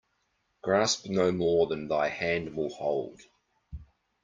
Grasp no more than thy hand will hold.